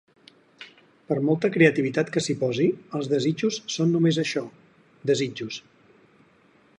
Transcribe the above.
Per molta creativitat que s'hi posi, els desitjos son només això, desitjos.